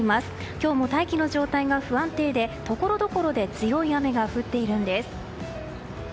今日も大気の状態が不安定でところどころで強い雨が降っているんです。